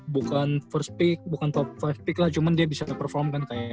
bukan first pick bukan top lima pick lah cuman dia bisa perform kan kayak